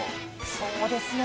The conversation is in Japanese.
そうですね